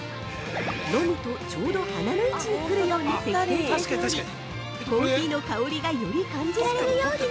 飲むとちょうど鼻の位置に来るように設計されておりコーヒーの香りが、より感じられるように